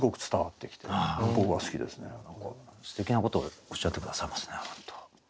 すてきなことをおっしゃって下さいますね本当。